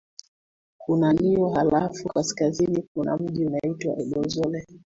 kuna lio halafu kaskazini kuna mji unaitwa ee bozole